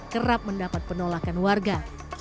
kerap mendapat penolakan warga